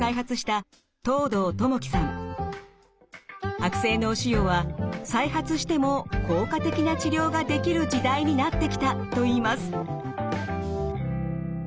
悪性脳腫瘍は再発しても効果的な治療ができる時代になってきたといいます。